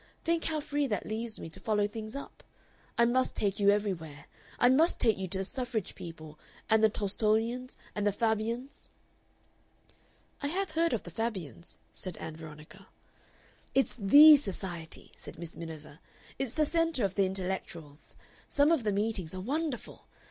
Think how free that leaves me to follow things up! I must take you everywhere. I must take you to the Suffrage people, and the Tolstoyans, and the Fabians." "I have heard of the Fabians," said Ann Veronica. "It's THE Society!" said Miss Miniver. "It's the centre of the intellectuals. Some of the meetings are wonderful!